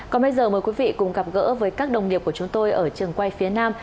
còn bây giờ mời quý vị cùng gặp gỡ với các đồng nghiệp của chúng tôi ở trường quay phía nam